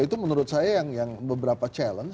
itu menurut saya yang beberapa challenge